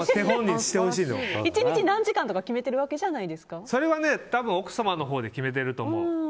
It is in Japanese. １日何時間とかそれは奥様のほうで決めてると思う。